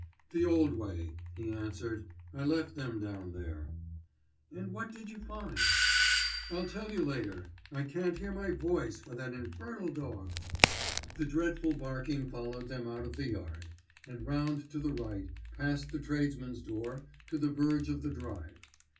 "The old way," he answered. "I left them down there." "And what did you find?" "I'll tell you later. I can't hear my voice for that infernal dog." The dreadful barking followed them out of the yard, and round to the right, past the tradesmen's door, to the verge of the drive.